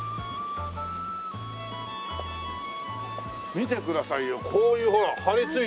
見てくださいよこういうほら張りついて。